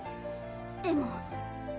でも。